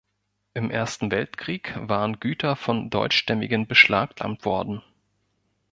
Im Ersten Weltkrieg waren Güter von Deutschstämmigen beschlagnahmt worden.